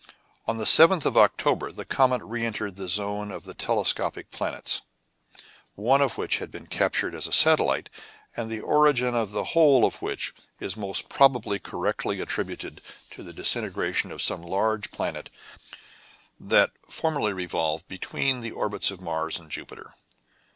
On the 7th of October the comet re entered the zone of the telescopic planets, one of which had been captured as a satellite, and the origin of the whole of which is most probably correctly attributed to the disintegration of some large planet that formerly revolved between the orbits of Mars and Jupiter.